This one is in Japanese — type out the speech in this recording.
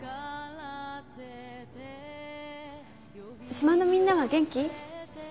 島のみんなは元気？